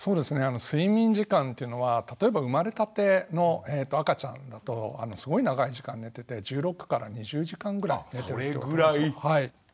睡眠時間というのは例えば生まれたての赤ちゃんだとすごい長い時間寝てて１６２０時間ぐらい寝てると。